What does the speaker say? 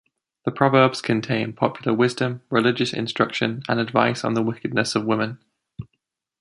The proverbs contain popular wisdom, religious instruction, and advice on the wickedness of women.